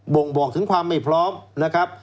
่งบอกถึงความไม่พร้อมนะครับ